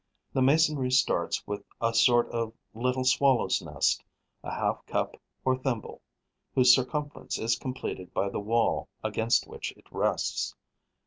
The masonry starts with a sort of little swallow's nest, a half cup or thimble, whose circumference is completed by the wall against which it rests.